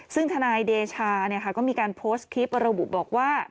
ซึ่งทนายเดชาก็มีการโพสต์คลิประบุบอกว่า